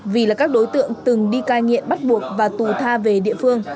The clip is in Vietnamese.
vì là các đối tượng từng đi cai nghiện bắt buộc và tù tha về địa phương